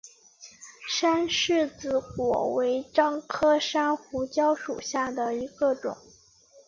山柿子果为樟科山胡椒属下的一个种。